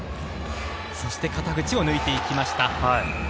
そして肩口を抜いていきました。